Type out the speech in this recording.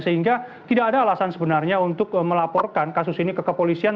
sehingga tidak ada alasan sebenarnya untuk melaporkan kasus ini ke kepolisian